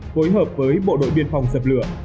phối hợp với bộ đội biên phòng sập lửa